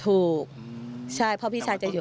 ถูกใช่เพราะพี่ชายจะอยู่